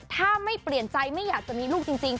ถ้าไม่เปลี่ยนใจไม่อยากจะมีลูกจริง